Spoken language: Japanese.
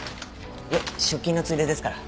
いえ出勤のついでですから。